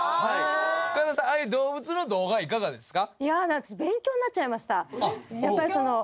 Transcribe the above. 神田さんああいう動物の動画はいかがですか？